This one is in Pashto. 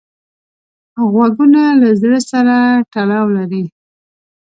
غوږونه له زړه سره تړاو لري